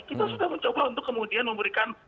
kita sudah mencoba untuk kemudian memberikan